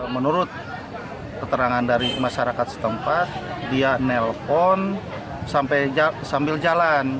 menurut keterangan dari masyarakat setempat dia nelpon sambil jalan